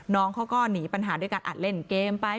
น้องเขาก็หนีปัญหาด้วยการอัดเล่นเกมไป